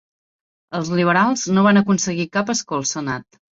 Els liberals no van aconseguir cap escó al senat.